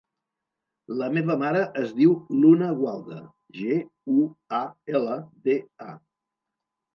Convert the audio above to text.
La meva mare es diu Luna Gualda: ge, u, a, ela, de, a.